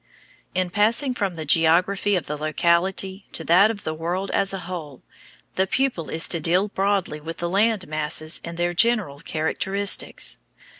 In passing from the geography of the locality to that of the world as a whole, the pupil is to deal broadly with the land masses and their general characteristics.